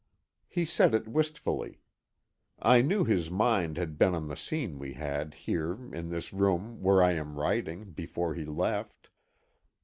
He said it wistfully. I knew his mind had been on the scene we had, here, in this room where I am writing, before he left.